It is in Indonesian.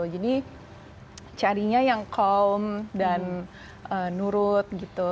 jadi carinya yang calm dan nurut gitu